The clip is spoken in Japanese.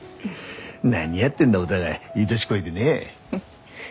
何やってんだお互いいい年こいてねえ。